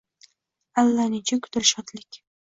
Allanechuk dilshodlik.